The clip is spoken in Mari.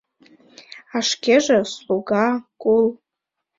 А шкеже — слуга, кул.